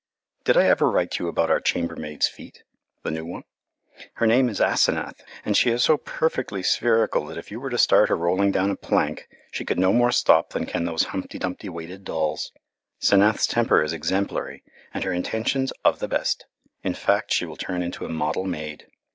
Did I ever write you about our chambermaid's feet the new one? Her name is Asenath, and she is so perfectly spherical that if you were to start her rolling down a plank she could no more stop than can those humpty dumpty weighted dolls. 'Senath's temper is exemplary, and her intentions of the best; in fact, she will turn into a model maid.